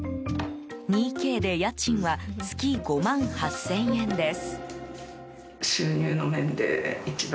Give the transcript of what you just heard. ２Ｋで、家賃は月５万８０００円です。